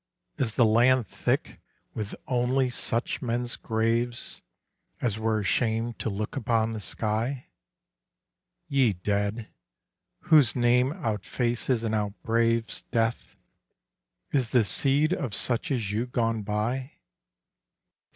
Is the land thick with only such men's graves As were ashamed to look upon the sky? Ye dead, whose name outfaces and outbraves Death, is the seed of such as you gone by?